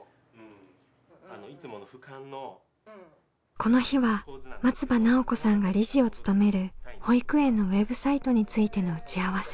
この日は松場奈緒子さんが理事を務める保育園のウェブサイトについての打ち合わせ。